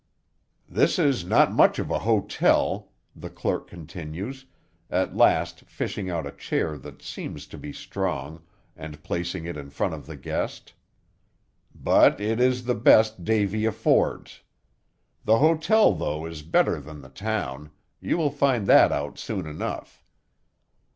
"This is not much of a hotel," the clerk continues, at last fishing out a chair that seems to be strong, and placing it in front of the guest; "but it is the best Davy affords. The hotel, though, is better than the town; you will find that out soon enough."